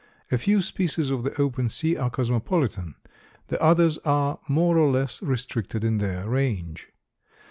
A few species of the open sea are cosmopolitan; the others are more or less restricted in their range.